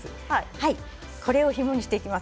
これをひもにしていきます。